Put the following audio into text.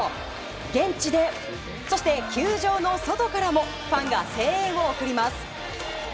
現地で、そして球場の外からもファンが声援を送ります。